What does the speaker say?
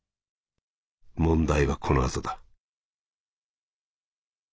問題はこのあとだ」。